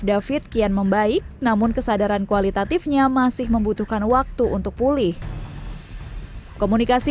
david kian membaik namun kesadaran kualitatifnya masih membutuhkan waktu untuk pulih komunikasi